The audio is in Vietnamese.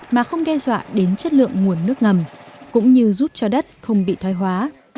mà không đe dọa đến chất lượng nguồn nước ngầm cũng như giúp cho đất không bị thoái hóa